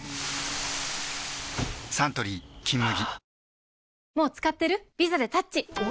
サントリー「金麦」